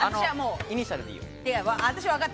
イニシャルでいいよ。